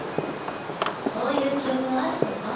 そういう記憶があるとか？